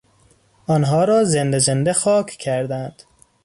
آنها را زنده زنده خاک کردند.